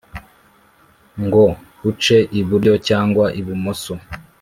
ngo uce iburyo cyangwa ibumoso,